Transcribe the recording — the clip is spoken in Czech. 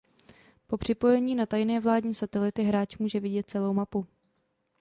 Po připojení na tajné vládní satelity hráč může vidět celou mapu.